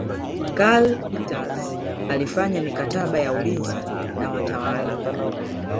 Karl Peters alifanya mikataba ya ulinzi na watawala